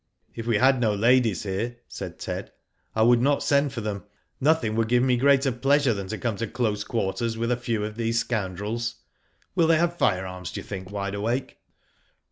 "If we had no ladies here," said Ted., "I would not send for them. Nothing would give me greater Digitized byGoogk 156 WHO DID ITf pleasure than to come to close quarters with a few of these scoundrels. Will they have firearms, do you think, Wide Awake